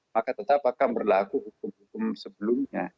maka tetap akan berlaku hukum hukum sebelumnya